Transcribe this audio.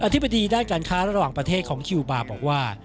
ธิบดีด้านการค้าระหว่างประเทศของคิวบาร์บอกว่า